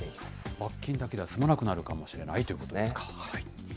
罰金だけでは済まなくなるかもしれないということですね。